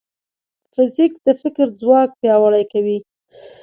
فزیک د فکر ځواک پیاوړی کوي.